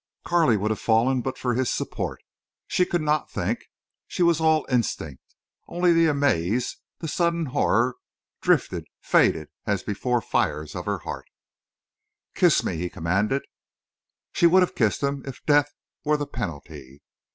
Carley would have fallen but for his support. She could not think. She was all instinct. Only the amaze—the sudden horror—drifted—faded as before fires of her heart! "Kiss me!" he commanded. She would have kissed him if death were the penalty.